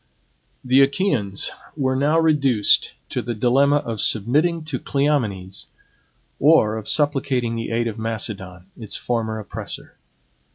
The Achaeans were now reduced to the dilemma of submitting to Cleomenes, or of supplicating the aid of Macedon, its former oppressor.